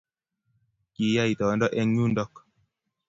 Ki ya itondo eng yundok